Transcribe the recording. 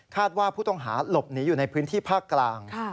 ว่าผู้ต้องหาหลบหนีอยู่ในพื้นที่ภาคกลาง